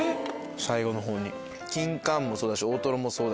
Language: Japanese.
最後のほうに。